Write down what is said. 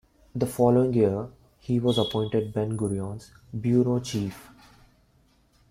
The following year he was appointed Ben-Gurion's bureau chief.